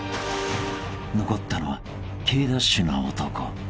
［残ったのはケイダッシュの男］